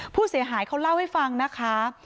ผู้เสียหายเขาเล่าให้ฟังนะคะ